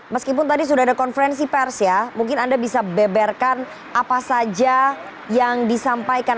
meskipun tadi sudah ada konferensi pers ya mungkin anda bisa beberkan apa saja yang disampaikan